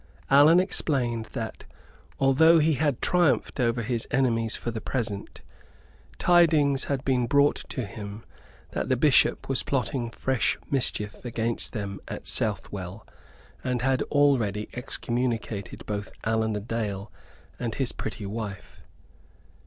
Allan explained that, although he had triumphed over his enemies for the present, tidings had been brought to him that the Bishop was plotting fresh mischief against them at Southwell, and had already excommunicated both Allan a Dale and his pretty wife.